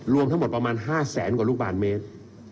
รวมทั้งหมดประมาณ๕แสนกว่าลูกบาทเมตร